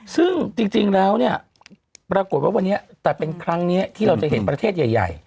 ซึ่งจริงแล้วเนี่ยปรากฏว่าวันนี้แต่เป็นครั้งนี้ที่เราจะเห็นประเทศใหญ่